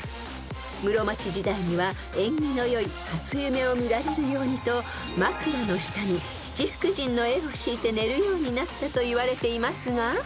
［室町時代には縁起の良い初夢を見られるようにと枕の下に七福神の絵を敷いて寝るようになったといわれていますが］